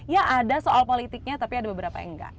ya ada soal politiknya tapi ada beberapa yang enggak